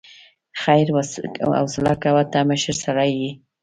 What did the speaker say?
خير حوصله کوه، ته مشر سړی يې.